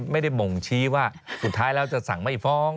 ไม่ได้บ่งชี้ว่าสุดท้ายแล้วจะสั่งไม่ฟ้อง